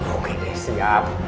oke deh siap